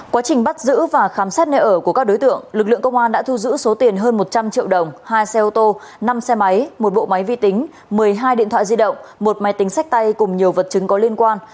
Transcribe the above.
quá trình bắt giữ và khám xét nơi ở của các đối tượng lực lượng công an đã thu giữ số tiền hơn một trăm linh triệu đồng hai xe ô tô năm xe máy một bộ máy vi tính một mươi hai điện thoại di động một máy tính sách tay cùng nhiều vật chứng có liên quan